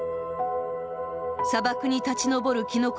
砂漠に立ち昇るきのこ